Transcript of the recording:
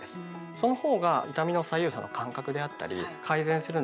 そのほうが痛みの左右差の感覚であったり改善するのにね